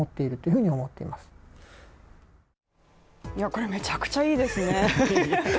これ、めちゃくちゃいいですね。